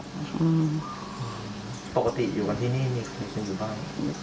ปกติอยู่กันที่นี่มีใครกันอยู่บ้าง